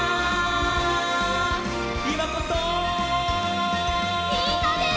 「いまこそ！」みんなで！